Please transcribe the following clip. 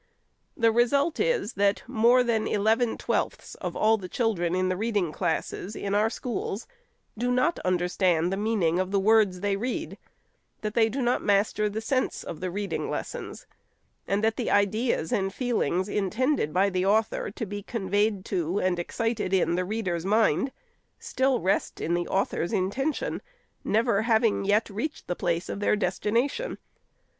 The result is, that more than eleven twelfths of all the children in the reading classes, in our schools, do not understand the meaning of the words they read ; that they do not master the sense of the reading lessons, and that the ideas and feelings intended by the author to be conveyed to, and excited in, the reader's mind, still rest in the author's intention, never having yet reached the place of their destination.